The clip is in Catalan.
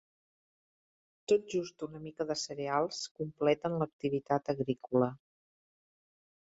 Tot just una mica de cereals completen l'activitat agrícola.